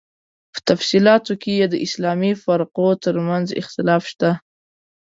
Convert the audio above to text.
په تفصیلاتو کې یې د اسلامي فرقو تر منځ اختلاف شته.